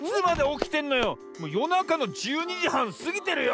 もうよなかの１２じはんすぎてるよ！